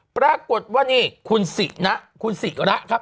ปรากฏว่าเนี่ยคุณศรีนะคุณศรีระครับ